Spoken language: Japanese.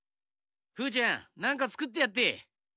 フーちゃんなんかつくってやって。